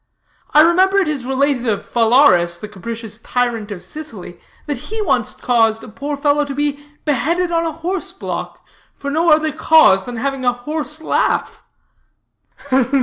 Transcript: I remember it is related of Phalaris, the capricious tyrant of Sicily, that he once caused a poor fellow to be beheaded on a horse block, for no other cause than having a horse laugh."